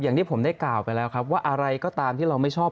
อย่างที่ผมได้กล่าวไปแล้วครับว่าอะไรก็ตามที่เราไม่ชอบ